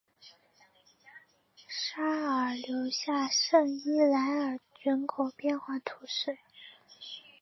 沙尔留下圣伊莱尔人口变化图示